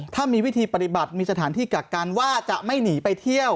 ถ้ามีวิธีปฏิบัติมีสถานที่กักกันว่าจะไม่หนีไปเที่ยว